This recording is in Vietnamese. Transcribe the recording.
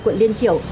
quận liên triều